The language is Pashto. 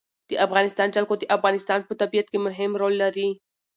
د افغانستان جلکو د افغانستان په طبیعت کې مهم رول لري.